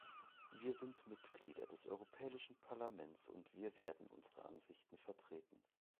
Wir sind Mitglieder des Europäischen Parlaments, und wir werden unsere Ansichten vertreten.